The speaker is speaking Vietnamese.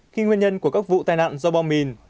khi nguyên nhân của các vụ tai nạn do bom mìn